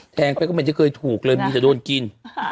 แทงไปก็มันไม่เคยถูกเลยมีจะโดนกิน